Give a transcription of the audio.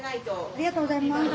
ありがとうございます。